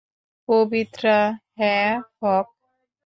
পবিত্রা, হ্যাঁ ফক!